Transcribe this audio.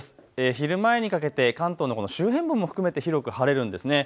昼前にかけて関東の周辺部も含めて広く晴れるんですね。